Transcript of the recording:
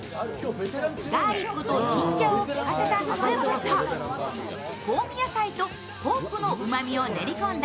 ガーリックとジンジャーを効かせたスープと、香味野菜とポークのうまみを練り込んだ